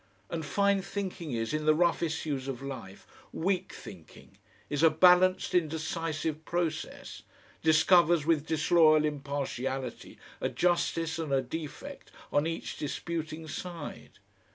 And fine thinking is, in the rough issues of life, weak thinking, is a balancing indecisive process, discovers with disloyal impartiality a justice and a defect on each disputing side.